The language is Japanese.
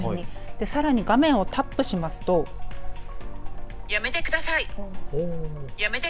さらに画面をタップしますとやめてください。